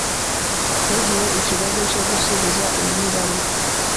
Ntugire ikibazo cyo gusubiza iyi baruwa.